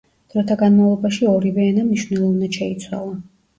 დროთა განმავლობაში ორივე ენა მნიშვნელოვნად შეიცვალა.